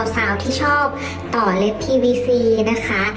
สาวที่ชอบต่อเล็บทีวีฟรีนะคะ